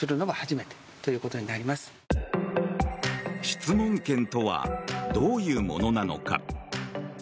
質問権とはどういうものなのか。